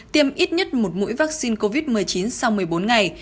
tiêm ít nhất một mũi vaccine covid một mươi chín sau một mươi bốn ngày